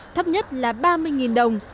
thấp nhất là ba mươi đồng